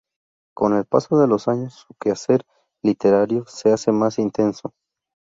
Con el paso de los años su quehacer literario se hace más intenso.